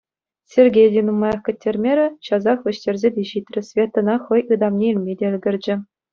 Сергей те нумаях кӗттермерӗ, часах вӗҫтерсе те ҫитрӗ, Светӑна хӑй ытамне илме те ӗлкӗрчӗ.